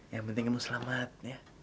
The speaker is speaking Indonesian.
yang penting kamu selamat